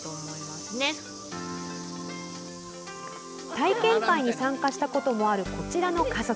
体験会に参加したこともあるこちらの家族。